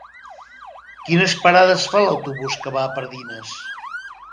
Quines parades fa l'autobús que va a Pardines?